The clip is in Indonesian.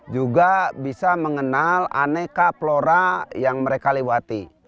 juga bisa mengenal aneka flora yang mereka lewati